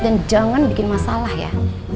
dan jangan bikin masalah ya